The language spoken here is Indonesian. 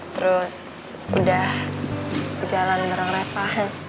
terus udah jalan ngerang reva